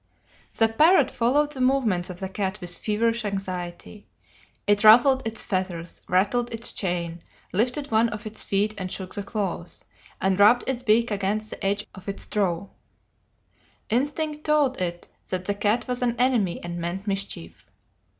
The parrot followed the movements of the cat with feverish anxiety: it ruffled its feathers, rattled its chain, lifted one of its feet and shook the claws, and rubbed its beak against the edge of its trough. Instinct told it that the cat was an enemy and meant mischief.